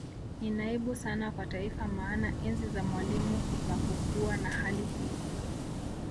Ni aibu sana kwa Taifa maana enzi za Mwalimu hapakukuwa na hali hii